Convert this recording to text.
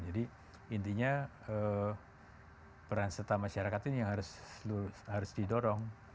jadi intinya peran setara masyarakat ini harus didorong